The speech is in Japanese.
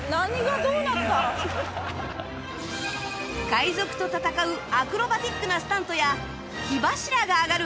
海賊と戦うアクロバティックなスタントや火柱が上がる